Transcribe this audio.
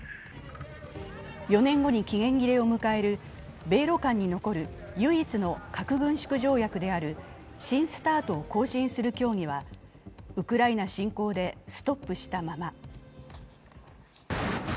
４年後に期限切れを迎える米ロ間に残る唯一の核軍縮条約である新ＳＴＡＲＴを更新する協議はウクライナ侵攻でストップしたまま。